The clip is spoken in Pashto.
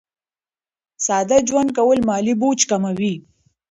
ساده ژوند کول مالي بوج کموي.